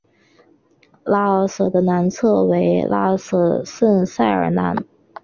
拉尔什的南侧为拉尔什圣塞尔南。